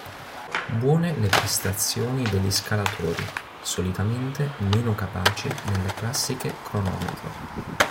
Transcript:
Buone le prestazioni degli scalatori, solitamente meno capaci nelle classiche cronometro.